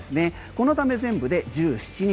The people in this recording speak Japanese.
このため全部で１７日。